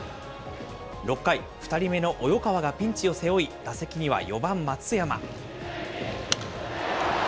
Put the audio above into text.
６回、２人目の及川がピンチを背負い、打席には４番松山。